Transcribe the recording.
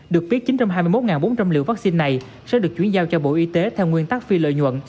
được biết chín trăm hai mươi một bốn trăm linh liều vaccine này sẽ được chuyển giao cho bộ y tế theo nguyên tắc phi lợi nhuận